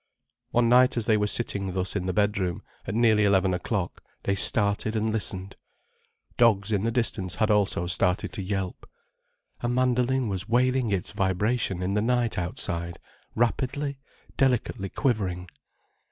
One night as they were sitting thus in the bedroom, at nearly eleven o'clock, they started and listened. Dogs in the distance had also started to yelp. A mandoline was wailing its vibration in the night outside, rapidly, delicately quivering.